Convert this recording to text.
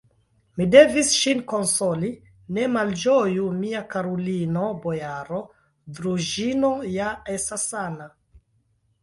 Mi devis ŝin konsoli: "ne malĝoju, mia karulino, bojaro Druĵino ja estas sana!"